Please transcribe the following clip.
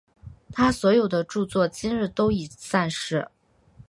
他所有的着作今日都已散失。